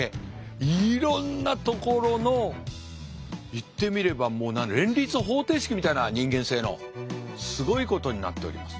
いろんなところの言ってみればもう連立方程式みたいな人間性のすごいことになっております。